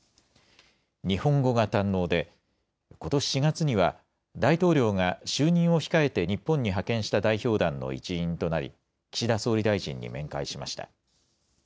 日本語が堪能で、ことし４月には大統領が就任を控えて日本に派遣した代表団の一員となり岸田総理大臣に面会しました。